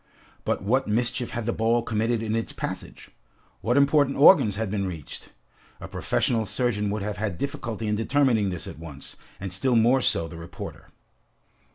But what mischief had the ball committed in its passage? What important organs had been reached? A professional surgeon would have had difficulty in determining this at once, and still more so the reporter.